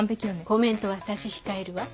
コメントは差し控えるわ。